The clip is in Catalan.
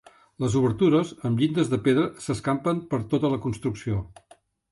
Les obertures, amb llindes de pedra, s'escampen per tota la construcció.